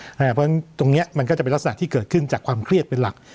เพราะฉะนั้นตรงนี้มันก็จะเป็นลักษณะที่เกิดขึ้นจากความเครียดเป็นหลัก